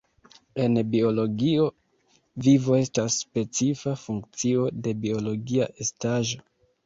En biologio vivo estas specifa funkcio de biologia estaĵo.